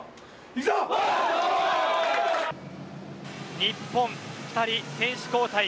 日本、２人選手交代。